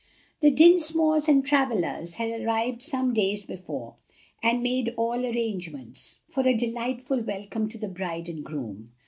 The Dinsmores and Travillas had arrived some days before and made all arrangements for a delightful welcome to the bride and groom.